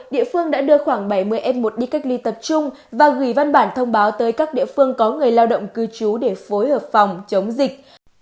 địa phương đã đưa khoảng bảy mươi f một đi cách ly tập trung và gửi văn bản thông báo tới các địa phương có người lao động cư trú để phối hợp phòng chống dịch